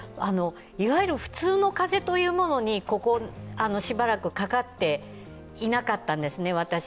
いわゆる普通の風邪というものに、私はここしばらくかかっていなかったんですね。